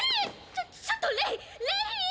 ちょっちょっとレイレイ！